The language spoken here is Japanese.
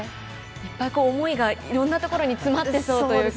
いっぱい、思いがいろんなところに詰まってそうというか。